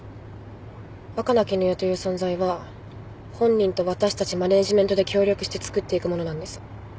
若菜絹代という存在は本人と私たちマネジメントで協力してつくっていくものなんです。